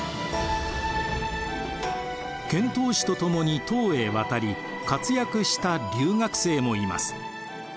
遣唐使とともに唐へ渡り活躍した留学生もいます。